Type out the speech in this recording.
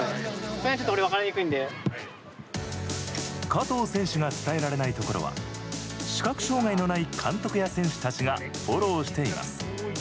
加藤選手が伝えられないところは視覚障害のない監督や選手たちがフォローしています。